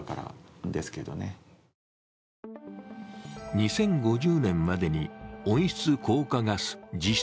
２０５０年までに温室効果ガス実質